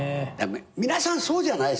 皆さんそうじゃないですか？